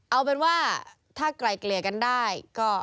เอาเป็นว่าถ้าไกลเกลี่ยกันได้ก็